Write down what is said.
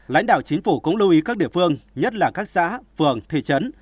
lãnh đạo chính phủ cũng lưu ý các địa phương nhất là các xã phường thị trấn